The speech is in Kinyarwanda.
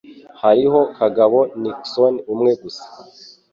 hariho Kagabo Nixon umwe gusa